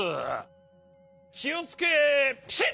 きをつけピシッ！